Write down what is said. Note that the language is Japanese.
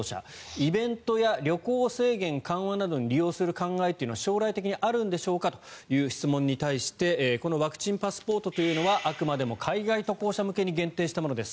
イベントや旅行制限緩和などに利用する考えというのは将来的にあるんでしょうかという質問に対してこのワクチンパスポートというのはあくまでも海外渡航者向けに限定したものです